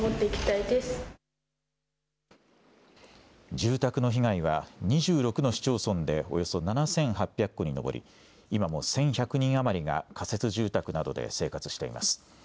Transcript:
住宅の被害は２６の市町村でおよそ７８００戸に上り、今も１１００人余りが仮設住宅などで生活しています。